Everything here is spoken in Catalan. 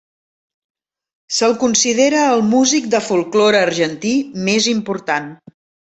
Se'l considera el músic de folklore argentí més important.